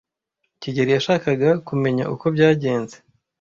kigeli yashakaga kumenya uko byagenze.